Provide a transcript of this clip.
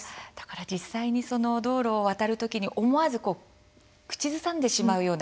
実際に道を渡る時に思わず口ずさんでしまうような